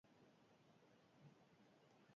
Hondarretan ibiltzeko oso gorputz egokia du.